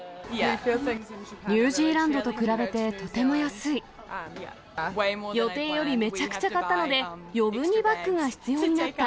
ニュージーランドと比べてと予定よりめちゃくちゃ買ったので、余分にバッグが必要になった。